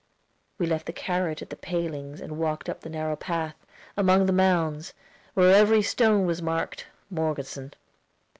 We left the carriage at the palings and walked up the narrow path, among the mounds, where every stone was marked "Morgeson."